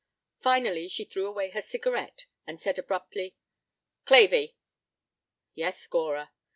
Finally she threw away her cigarette and said abruptly: "Clavey." "Yes, Gora."